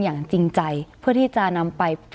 อย่างจริงใจเพื่อที่จะนำไป